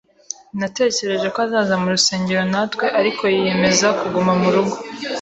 Natekereje ko azaza mu rusengero natwe, ariko yiyemeza kuguma mu rugo.